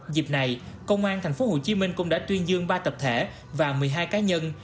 dịp này công an tp hcm cũng đã tuyên dương ba tập thể và một mươi hai cá nhân